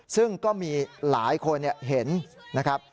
ซึ่งก็มีหลายคนเห็นนะครับ